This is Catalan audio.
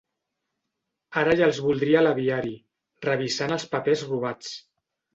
Ara ja els voldria a l'aviari, revisant els papers robats.